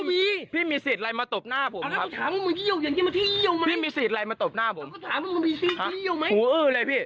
พี่มีสิทธิ์อะไรมาตบหน้าผมครับ